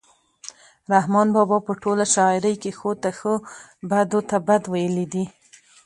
رحمان بابا په ټوله شاعرۍ کې ښو ته ښه بدو ته بد ویلي دي.